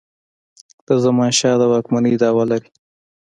د زمانشاه د واکمنی دعوه لري.